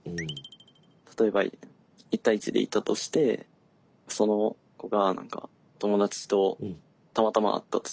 例えば１対１でいたとしてその子が何か友達とたまたま会ったとするじゃないですか。